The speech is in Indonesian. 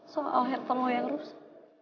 soal henteng lo yang rusak